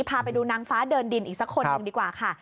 พาไปดูนางฟ้าเดินดินอีกสักคนหนึ่งดีกว่าค่ะ